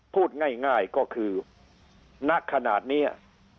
พูดง่ายก็คือณขนาดนี้